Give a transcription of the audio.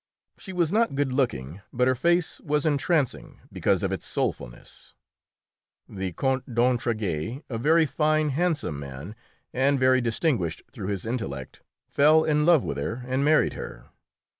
She was not good looking, but her face was entrancing because of its soulfulness. The Count d'Entraigues, a very fine, handsome man, and very distinguished through his intellect, fell in love with her and married her.